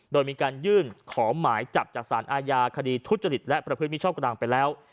โดยมีการยื่นขอหมายจับจากสารอาญาคดีทุจริตและประพฤติมิชชอบกลางไปแล้ว